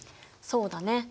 そうだね。